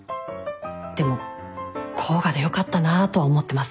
でも甲賀でよかったなとは思ってます。